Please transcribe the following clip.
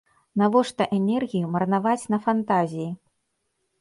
Навошта энергію марнаваць на фантазіі?